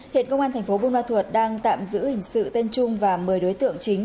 hiện công an thành phố buôn ma thuột đang tạm giữ hình sự tên trung và một mươi đối tượng chính